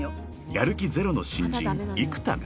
［やる気ゼロの新人育田が］